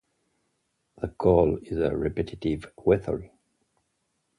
The call is a repetitive whistle.